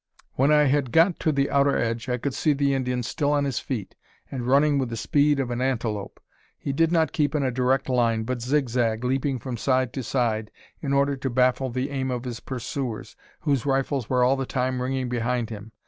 When I had got to the outer edge I could see the Indian still on his feet, and running with the speed of an antelope. He did not keep in a direct line, but zigzag, leaping from side to side, in order to baffle the aim of his pursuers, whose rifles were all the time ringing behind him.